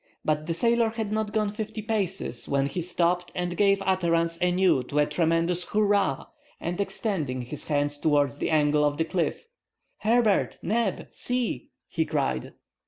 But the sailor had not gone fifty paces when he stopped and gave utterance anew to a tremendous hurrah, and extending his hand towards the angle of the cliff— "Herbert! Neb! See!" he cried.